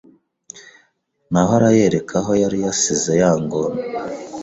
Naho arayereka aho yari yasize ya ngona